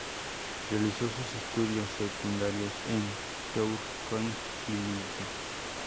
Realizó sus estudios secundarios en Tourcoing y Lille.